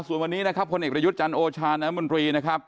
ส่วนวันนี้นะครับพลเอกประยุทธ์จันทร์โอชาน้ำมนตรีนะครับ